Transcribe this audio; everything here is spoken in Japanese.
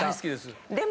でも。